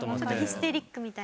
ヒステリックみたいな。